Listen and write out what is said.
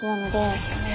そうですよね。